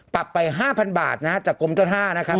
ปรับไป๕๐๐บาทนะฮะจากกรมเจ้าท่านะครับ